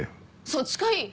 そっちかい。